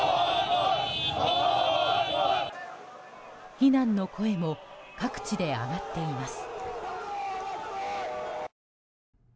非難の声も各地で上がっています。